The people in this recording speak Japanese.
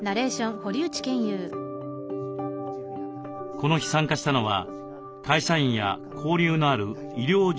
この日参加したのは会社員や交流のある医療従事者などおよそ３０人。